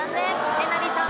えなりさん